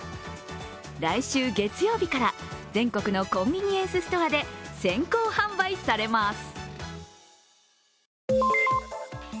来週月曜日から、全国のコンビニエンスストアで先行販売されます。